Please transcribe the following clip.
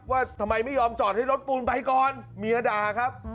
ว่าทำไมไม่ยอมจอดให้รถปูนไปก่อนเมียด่าครับ